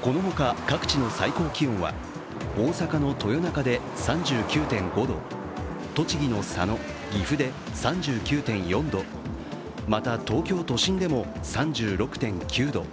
このほか各地の最高気温は大阪の豊中で３９．５度、栃木の佐野、岐阜で３９．４度、また東京都心でも３６．９度。